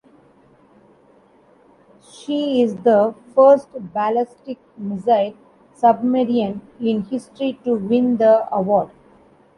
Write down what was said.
She is the first ballistic missile submarine in history to win the award.